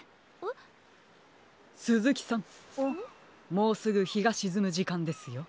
もうすぐひがしずむじかんですよ。